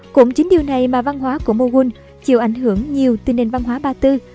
cũng chính điều này mà văn hóa của mughun chịu ảnh hưởng nhiều từ nền văn hóa ba tư